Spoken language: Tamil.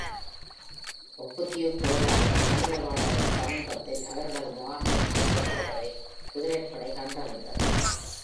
Opothleyaholaஇன் ஆதரவாளர்கள் சமீபத்தில் அவர்களது முகாமை விட்டு சென்றுவிட்டதை குதிரைப்படை கண்டறிந்தது.